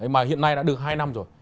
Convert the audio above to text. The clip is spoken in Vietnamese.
mà hiện nay đã được hai năm rồi